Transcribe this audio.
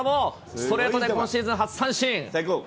ストレートで今シーズン初三振。